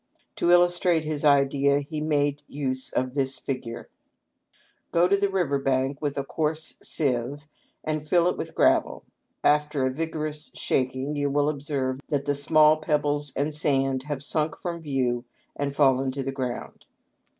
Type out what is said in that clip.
To illustrate his idea he made use of this figure :" Go to the river bank with a coarse sieve and fill it with gravel. After a vigorous shaking you will observe that the small pebbles and sand have sunk from view and fallen to the ground.